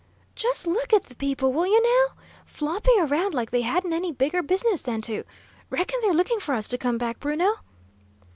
"Just look at the people, will ye, now? Flopping around like they hadn't any bigger business than to Reckon they're looking for us to come back, Bruno?"